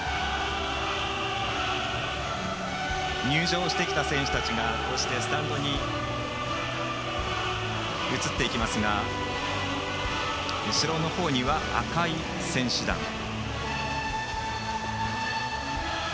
入場してきた選手たちがスタンドに移っていきますが後ろのほうには赤い選手団。